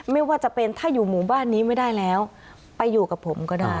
ไม่ว่าจะเป็นถ้าอยู่หมู่บ้านนี้ไม่ได้แล้วไปอยู่กับผมก็ได้